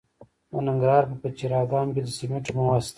د ننګرهار په پچیر اګام کې د سمنټو مواد شته.